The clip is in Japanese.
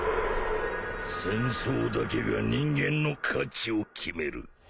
戦争だけが人間の価値を決める